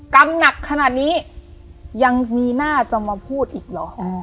กรรมหนักขนาดนี้ยังมีหน้าจะมาพูดอีกเหรอ